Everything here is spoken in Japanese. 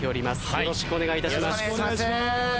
よろしくお願いします。